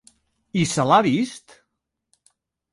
I se l'ha vist?